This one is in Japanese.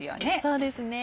そうですね。